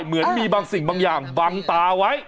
เหมือนมีบางสิ่งบางอย่างบังตาไว้